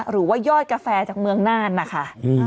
หรือว่ายอดกาแฟจากเมืองน่านนะคะ